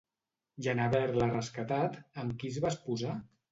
I en haver-la rescatat, amb qui es va esposar?